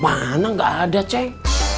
mana gak ada ceng